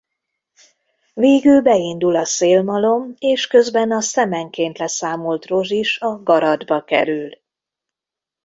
Végül beindul a szélmalom és közben a szemenként leszámolt rozs is a garatba kerül.